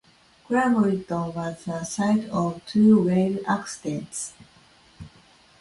Cramlington was the site of two rail accidents.